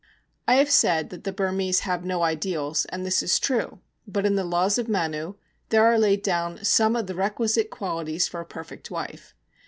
I have said that the Burmese have no ideals, and this is true; but in the Laws of Manu there are laid down some of the requisite qualities for a perfect wife.